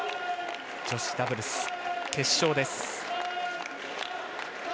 女子ダブルス決勝です。